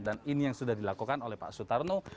dan ini yang sudah dilakukan oleh pak sutarno